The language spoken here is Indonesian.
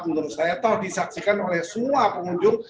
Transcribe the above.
menurut saya toh disaksikan oleh semua pengunjung